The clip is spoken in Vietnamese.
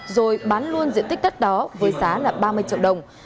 rồi bán luôn diện tích đất đó với giá là ba mươi triệu đồng